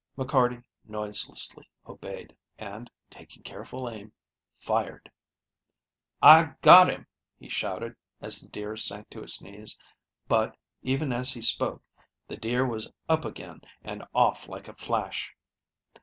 McCarty noiselessly obeyed, and, taking careful aim, fired. "I got him," he shouted, as the deer sank to its knees, but, even as he spoke, the deer was up again and off like a flash.